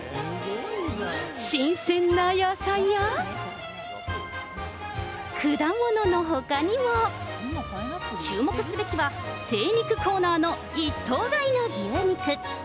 新鮮な野菜や、果物のほかにも、注目すべきは、精肉コーナーの一頭買いの牛肉。